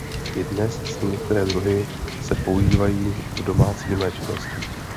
I dnes se některé druhy se používají v domácím léčitelství.